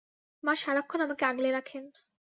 মা সারাক্ষণ আমাকে আগলে রাখেন।